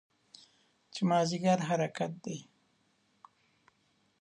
چې مازدیګر حرکت دی.